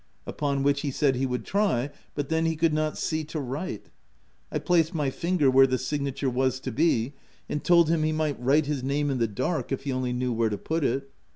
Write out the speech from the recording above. Upon which, he said he would try; but then, he could not see to write. I placed my finger where the signature was to be, and told him he might write his name in the dark, if he only knew where to put it.